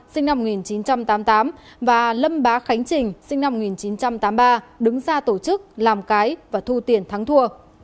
sinh năm một nghìn chín trăm tám mươi tám và lâm bá khánh trình sinh năm một nghìn chín trăm tám mươi ba đứng ra tổ chức làm cái và thu tiền thắng thua